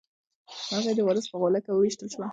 مرغۍ د وارث په غولکه وویشتل شوه.